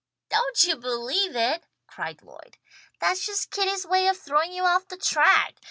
"Don't you believe it!" cried Lloyd. "That's just Kitty's way of throwing you off the track.